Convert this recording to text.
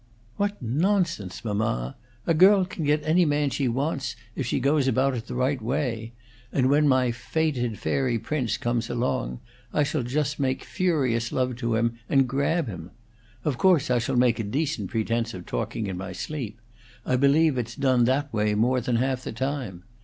"What nonsense, mamma! A girl can get any man she wants, if she goes about it the right way. And when my 'fated fairy prince' comes along, I shall just simply make furious love to him and grab him. Of course, I shall make a decent pretence of talking in my sleep. I believe it's done that way more than half the time.